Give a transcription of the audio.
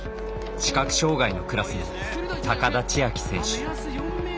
視覚障がいのクラスの高田千明選手。